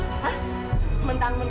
kamu banyak alasan